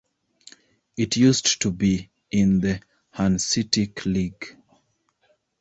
It used to be in the Hanseatic League.